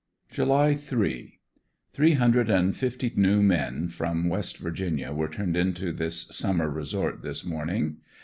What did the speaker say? July 3. — Three hundred and fifty new men from West Virginia were turned into this summer resort this morning.